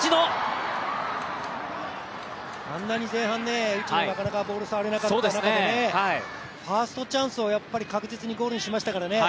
あんなに前半、内野なかなかボールを触れなかった中で、ファーストチャンスを確実にゴールにしましたからね。